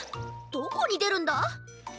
どこにでるんだ？